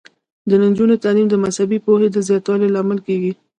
د نجونو تعلیم د مذهبي پوهې د زیاتوالي لامل کیږي.